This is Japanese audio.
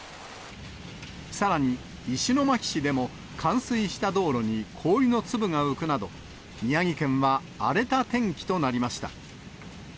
さらに、石巻市でも冠水した道路に氷の粒が浮くなど、宮城県は荒れた天気となりました。